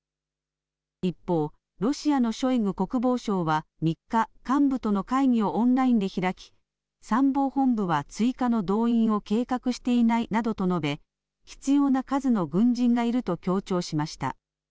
一方、ロシアのショイグ国防相は３日、幹部との会議をオンラインで開き、参謀本部は追加の動員を計画していないなどと述べ、必要な数の軍人がいると強調しました。